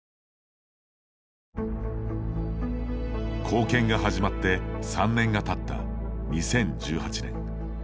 後見が始まって３年がたった２０１８年。